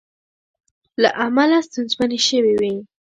له امله ستونزمنې شوې وې